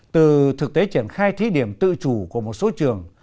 từ thực tế triển khai thí điểm tự chủ của một số trường